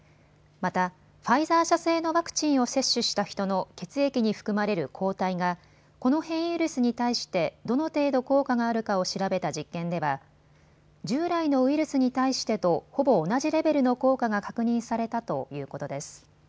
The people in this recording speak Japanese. また、ファイザー社製のワクチンを接種した人の血液に含まれる抗体がこの変異ウイルスに対してどの程度効果があるかを調べた実験では従来のウイルスに対してとほぼ同じレベルの効果が確認されたということです。